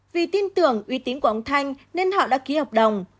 vì tin tưởng uy tín của ông thanh nên họ đã ký hợp đồng